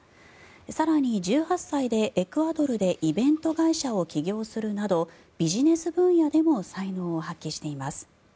更に１８歳でエクアドルでイベント会社を起業するなどビジネス分野でも才能を発揮しています。